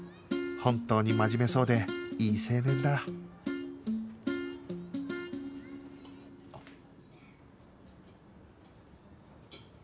本当に真面目そうでいい青年だあっ。